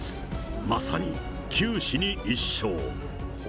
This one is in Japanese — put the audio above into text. まさに九死に一生。